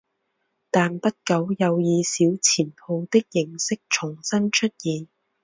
但不久有以小钱铺的形式重新出现。